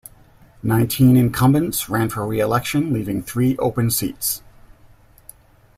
Nineteen incumbents ran for re-election leaving three open seats.